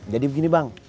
jadi begini bang